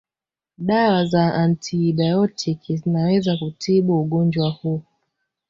Dawa za antibiotiki zinaweza kutibu ugonjwa huu